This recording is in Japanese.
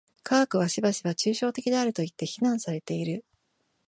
科学はしばしば抽象的であるといって非難されている。